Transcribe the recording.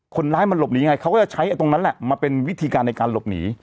คนร้ายมันหลบหนีไงเขาก็จะใช้ตรงนั้นแหละมาเป็นวิธีการในการหลบหนี